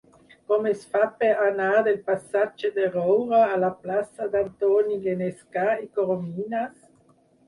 Com es fa per anar del passatge de Roura a la plaça d'Antoni Genescà i Corominas?